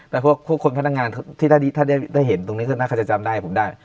แล้วพวกคนพนักงานที่ถ้าได้เห็นตรงนี้ก็น่าจะจำได้ผมได้